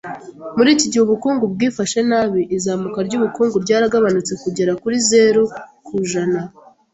Muri iki gihe ubukungu bwifashe nabi, izamuka ry’ubukungu ryaragabanutse kugera kuri zeru ku ijana.